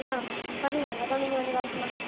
バルーンは長めにお願いします。